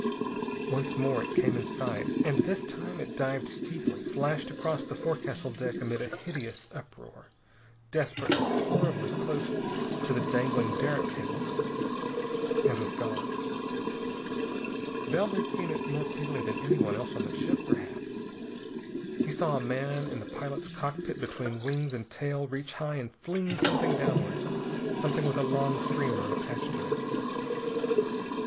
Once more it came in sight, and this time it dived steeply, flashed across the forecastle deck amid a hideous uproar, desperately, horribly close to the dangling derrick cables, and was gone. Bell had seen it more clearly than anyone else on the ship, perhaps. He saw a man in the pilot's cockpit between wings and tail reach high and fling something downward, something with a long streamer attached to it.